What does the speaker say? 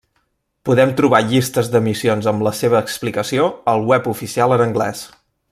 Podem trobar llistes de missions amb la seva explicació al Web oficial en anglès.